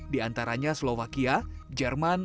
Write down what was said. di antaranya slovakia jerman dan indonesia